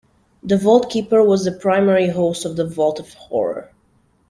The Vault-Keeper was the primary host of "The Vault of Horror".